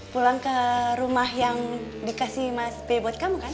pulang ke rumah yang dikasih mas b buat kamu kan